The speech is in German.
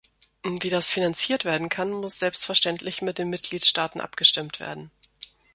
Wie das finanziert werden kann, muss selbstverständlich mit den Mitgliedstaaten abgestimmt werden.